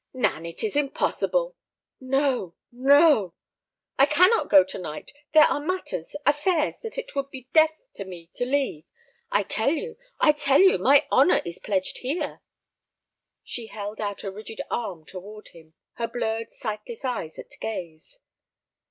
"Nan, it is impossible—" "No, no." "I cannot go to night. There are matters—affairs that it would be death to me to leave. I tell you, I tell you—my honor is pledged here." She held out a rigid arm toward him, her blurred, sightless eyes at gaze.